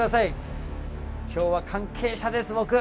今日は関係者です僕！